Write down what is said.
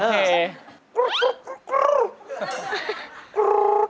โอเค